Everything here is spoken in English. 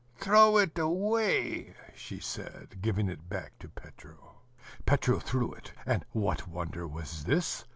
"Throw it away," she said, giving it back to Petro. Petro threw it, and what wonder was this?